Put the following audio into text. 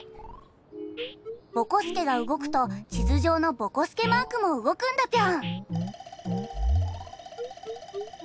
ぼこすけがうごくとちずじょうのぼこすけマークもうごくんだピョン。